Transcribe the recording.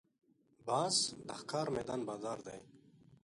باز د ښکار میدان بادار دی